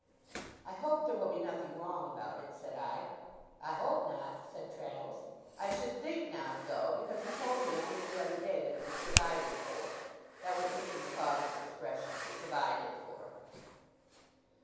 'I hope there will be nothing wrong about it,' said I. 'I hope not,' said Traddles. 'I should think not, though, because he told me, only the other day, that it was provided for. That was Mr. Micawber's expression, "Provided for."